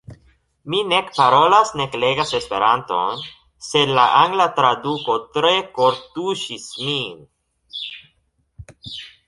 Mi nek parolas nek legas Esperanton, sed la angla traduko tre kortuŝis min.